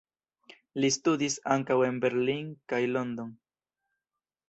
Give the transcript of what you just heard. Li studis ankaŭ en Berlin kaj London.